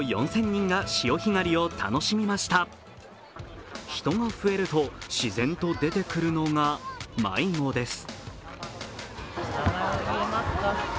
人が増えると自然と出てくるのが迷子です。